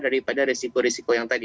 daripada resiko risiko yang tadi